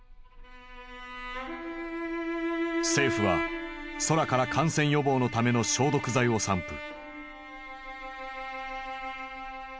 政府は空から感染予防のための消毒剤を散布。